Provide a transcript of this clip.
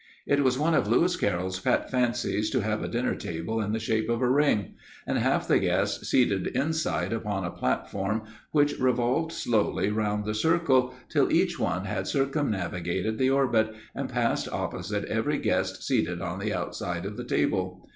It was one of Lewis Carroll's pet fancies to have a dinner table in the shape of a ring, and half the guests seated inside upon a platform which revolved slowly round the circle till each one had circumnavigated the orbit and passed opposite every guest seated on the outside of the table.